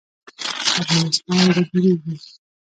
افغانستان به جوړیږي